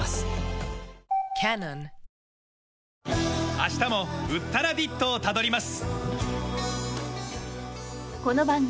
明日もウッタラディットをたどります。